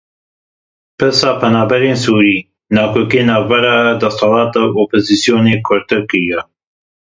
Pirsa penaberên Sûrî nakokiya navbera desthilat û opozisyonê kûrtir kiriye.